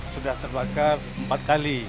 sudah terbakar empat kali